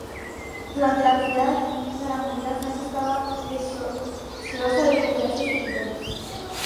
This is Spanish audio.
Durante la Primera Guerra Mundial, Francia estaba deseosa de recuperar esos territorios.